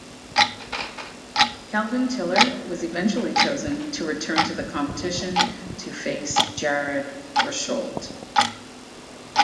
Kelvin Tiller was eventually chosen to return to the competition to face Jared Rosholt.